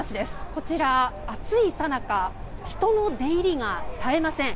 こちら、暑いさなか人の出入りが絶えません。